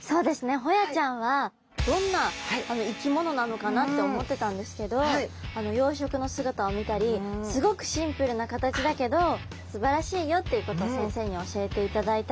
ホヤちゃんはどんな生き物なのかなって思ってたんですけど養殖の姿を見たりすごくシンプルな形だけどすばらしいよっていうことを先生に教えていただいたり。